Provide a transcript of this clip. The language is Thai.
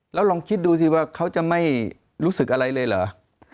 แล้วลองคิดดูสิว่าเขาจะไม่รู้สึกอะไรเลยเหรอ